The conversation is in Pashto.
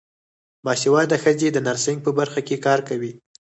باسواده ښځې د نرسنګ په برخه کې کار کوي.